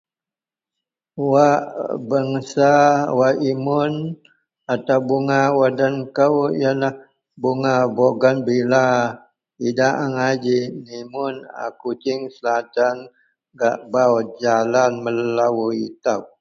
Wak bangsa wak imun atau bunga wak den kou iyenlah bunga vogenvilla idak angai ji nimun a kuching selatan gak bau jalan melo ito.